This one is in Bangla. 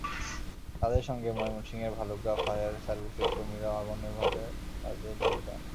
তাঁদের সঙ্গে ময়মনসিংহের ভালুকা ফায়ার সার্ভিসের কর্মীরাও আগুন নেভানোর কাজে যোগ দেন।